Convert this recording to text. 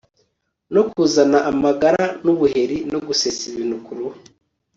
no kuzana amagara n'ubuheri no gusesa ibintu ku ruhu